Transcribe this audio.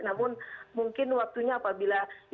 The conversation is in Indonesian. namun mungkin waktunya apabila ibu ani dipulangkan pada tahun dua ribu